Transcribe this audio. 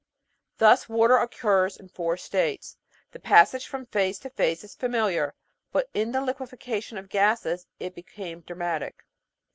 Thus water occurs in four states. The passage from phase to phase is familiar, but in the liquefaction of gases it became dramatic.